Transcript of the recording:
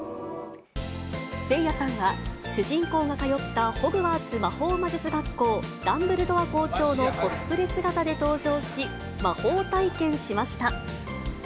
せいやさんは主人公が通ったホグワーツ魔法魔術学校、ダンブルドア校長のコスプレ姿で登場し、魔法体験しました。